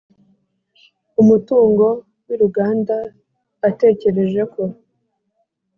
umutungo wiruganda atekereje ko